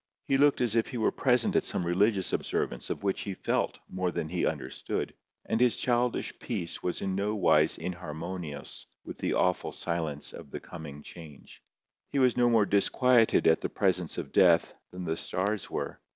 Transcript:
He looked as if he were present at some religious observance of which he felt more than he understood, and his childish peace was in no wise inharmonious with the awful silence of the coming change. He was no more disquieted at the presence of death than the stars were.